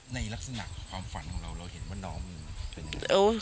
ในลักษณะความฝันของเราเราเห็นว่าน้องมันเป็น